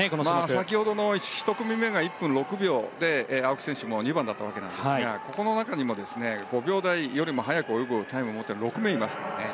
先ほどの１組目が１分６秒で青木選手も２番だったんですがこの中にも５秒台よりも速く泳ぐ選手は６名いますからね。